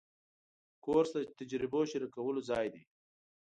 کورس د تجربه شریکولو ځای دی.